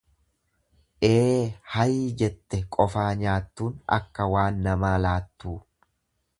Ee! hayii jette qofaa nyaattuun akka waan namaa laattuu.